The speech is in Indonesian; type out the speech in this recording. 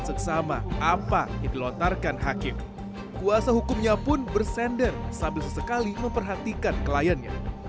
seksama apa yang dilontarkan hakim kuasa hukumnya pun bersender sambil sesekali memperhatikan kliennya